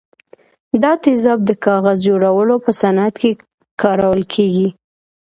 دا تیزاب د کاغذ جوړولو په صنعت کې کارول کیږي.